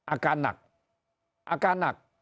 อาการหนักอาการหนัก